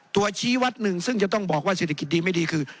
ตัวชี้วัดหนึ่งซึ่งจะต้องบอกว่าสินคิดดีไม่ดีคือ